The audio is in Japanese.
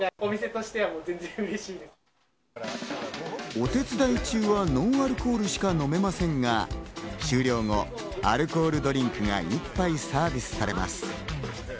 お手伝い中はノンアルコールしか飲めませんが、終了後、アルコールドリンクが１杯サービスされます。